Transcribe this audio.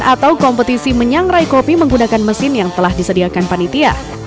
atau kompetisi menyangrai kopi menggunakan mesin yang telah disediakan panitia